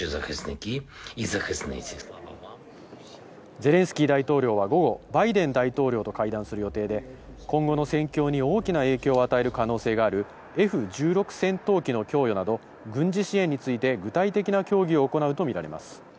ゼレンスキー大統領は午後、バイデン大統領と会談する予定で、今後の戦況に大きな影響を与える可能性があるＦ１６戦闘機の供与など軍事支援について具体的な協議を行うと見られます。